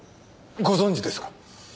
ご存じですか？